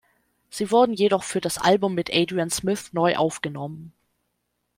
Sie wurden jedoch für das Album mit Adrian Smith neu aufgenommen.